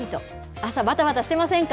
朝、ばたばたしてませんか？